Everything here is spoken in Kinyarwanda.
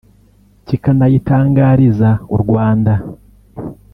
kikanayitangariza u Rwanda